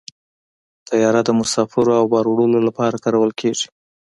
طیاره د مسافرو او بار وړلو لپاره کارول کېږي.